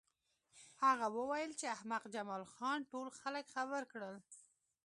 هغه وویل چې احمق جمال خان ټول خلک خبر کړل